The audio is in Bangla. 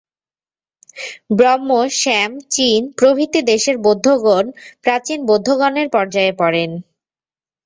ব্রহ্ম, শ্যাম, চীন প্রভৃতি দেশের বৌদ্ধগণ প্রাচীন বৌদ্ধগণের পর্যায়ে পড়েন।